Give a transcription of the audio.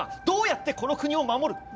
どうやってこの国を守る？